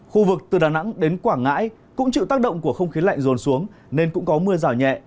khu vực từ đà nẵng đến quảng ngãi cũng chịu tác động của không khí lạnh rồn xuống nên cũng có mưa rào nhẹ